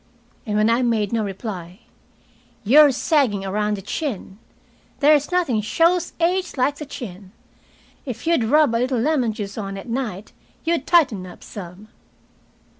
And when I made no reply: "You're sagging around the chin. There's nothing shows age like the chin. If you'd rub a little lemon juice on at night you'd tighten up some."